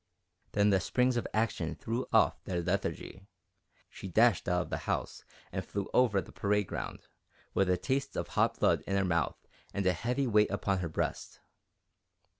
Then the springs of action threw off their lethargy. She dashed out of the house and flew over the parade ground, with the taste of hot blood in her mouth and a heavy weight upon her breast.